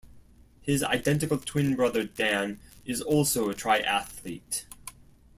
His identical twin brother Dan is also a triathlete.